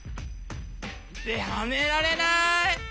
はめられない！